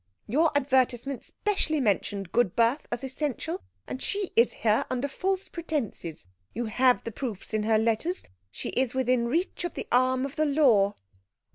"Your advertisement specially mentioned good birth as essential, and she is here under false pretences. You have the proofs in her letters. She is within reach of the arm of the law."